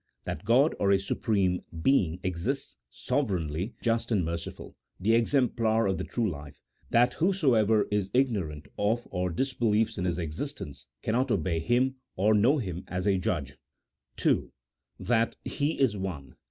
That God or a Supreme Being exists, sovereignly just and merciful, the Exemplar of the true life ; that whosoever CHAP. XIV.] DEFINITIONS OF FAITH. 187 is ignorant of or disbelieves in His existence cannot obey Him or know Him as a Judge. II. That He is One.